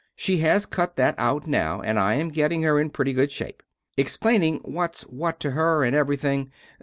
She has cut that out now, and I am gettin her in prety good shape. Explaning whats what to her and every thing.